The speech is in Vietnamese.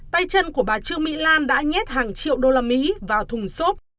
tay chân của bà trương mỹ lan đã nhét hàng triệu đô la mỹ vào thùng xốp